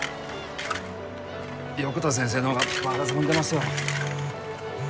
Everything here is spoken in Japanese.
横田先生の方が場数踏んでますわ